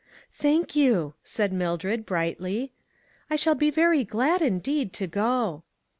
" Thank you," said Mildred, brightly, " I shall be very glad, indeed, to go."